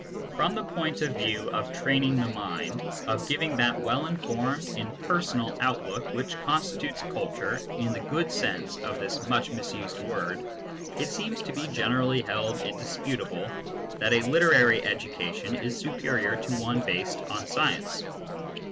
From the point of view of training the mind, of giving that well informed, impersonal outlook which constitutes culture in the good sense of this much misused word, it seems to be generally held indisputable that a literary education is superior to one based on science.